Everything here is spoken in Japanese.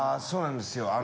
そうなんですよ。